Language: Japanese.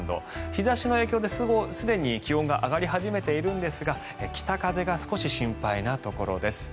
日差しの影響ですでに気温が上がり始めているんですが北風が少し心配なところです。